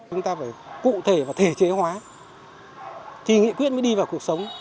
chúng ta phải cụ thể và thể chế hóa thì nghị quyết mới đi vào cuộc sống